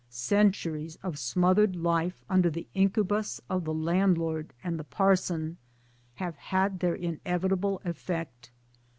Centuries of smothered life under the incubus of the Landlord and the Parson have had their inevitable effect.